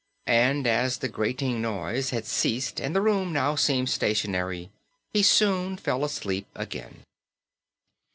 And as the grating noise had ceased and the room now seemed stationary, he soon fell asleep again.